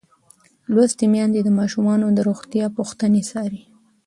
لوستې میندې د ماشومانو د روغتیا پوښتنې څاري.